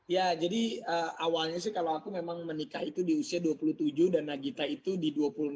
ya jadi awalnya sih kalau aku memang menikah itu di usia dua puluh tujuh dan nagita itu di dua puluh enam